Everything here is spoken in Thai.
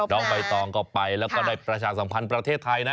น้องใบตองก็ไปแล้วก็ได้ประชาสัมพันธ์ประเทศไทยนะ